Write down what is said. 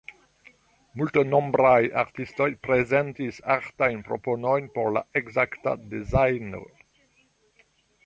Multnombraj artistoj prezentis artajn proponojn por la ekzakta dezajno.